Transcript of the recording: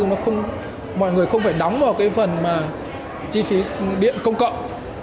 nó mọi người không phải đóng vào cái phần mà chi phí điện công cộng